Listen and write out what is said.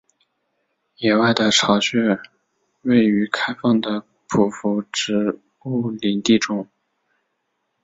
野外的巢穴位于开放的匍匐植物林地中。